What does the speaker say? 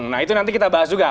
nah itu nanti kita bahas juga